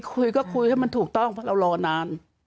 คุยก็คุยให้มันถูกต้องเพราะเรารอนาน